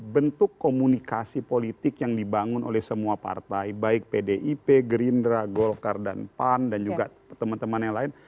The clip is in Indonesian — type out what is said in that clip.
bentuk komunikasi politik yang dibangun oleh semua partai baik pdip gerindra golkar dan pan dan juga teman teman yang lain